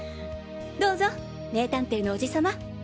どうぞ名探偵のおじさま。